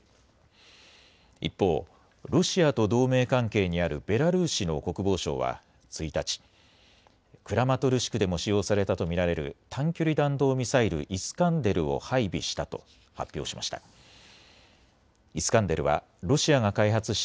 一方、ロシアと同盟関係にあるベラルーシの国防省は１日、クラマトルシクでも使用されたと見られる短距離弾道ミサイル、イスカンデルを配備したと発表しました。